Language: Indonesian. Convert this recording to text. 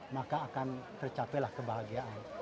maka akan tercapailah kebahagiaan